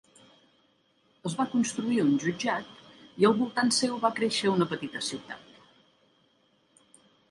Es va construir un jutjat i al voltant seu va créixer una petita ciutat.